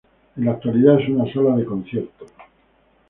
En la actualidad es una sala de conciertos.